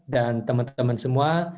dan teman teman semua